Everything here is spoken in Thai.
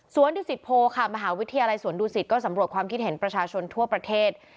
ดุสิตโพค่ะมหาวิทยาลัยสวนดุสิตก็สำรวจความคิดเห็นประชาชนทั่วประเทศ